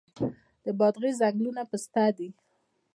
د بادغیس ځنګلونه پسته دي